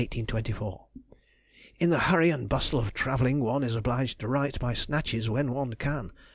_—In the hurry and bustle of travelling one is obliged to write by snatches when one can....